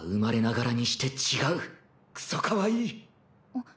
あっ。